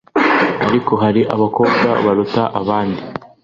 ariko hari abakobwa baruta abandi